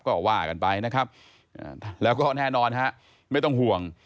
ก็ว่ากันไปนะครับแล้วก็แน่นอนฮะไม่ต้องห่วง